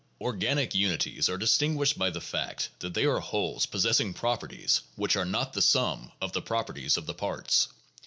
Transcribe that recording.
Organic unities are distinguished by the fact that they are wholes possessing properties which are not the sum of the properties of the parts.